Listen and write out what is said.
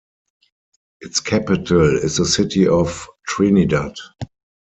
Its capital is the city of Trinidad.